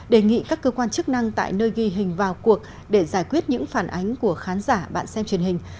đề nghị các cơ quan chức năng tại nơi ghi hình vào cuộc để giải quyết những phản ánh của khán giả bạn xem truyền hình